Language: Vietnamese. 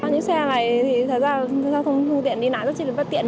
những xe này thì thật ra xe thông điện đi nản rất là tiện